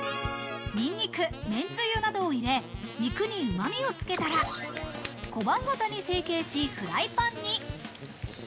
ニンニク、めんつゆなどを入れ、肉にうまみをつけたら、小判型に成形し、フライパンに。